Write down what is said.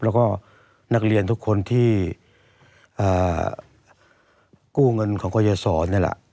แล้วก็นักเรียนทุกคนที่กู้เงินของกรยศรนี่แหละ